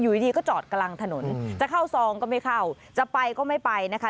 อยู่ดีก็จอดกลางถนนจะเข้าซองก็ไม่เข้าจะไปก็ไม่ไปนะคะ